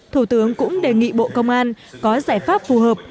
thủ tướng cũng đề nghị bộ công an có giải pháp phù hợp